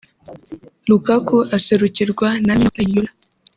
Lukaku aserukirwa na Mino Raiola